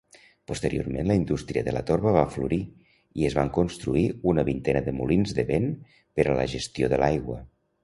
Posteriorment la indústria de la torba va florir i es van construir una vintena de molins de vent per a la gestió de l'aigua.